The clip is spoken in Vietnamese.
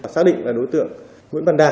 xác định là đối tượng nguyễn văn đạt